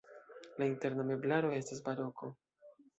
La interna meblaro estas baroko.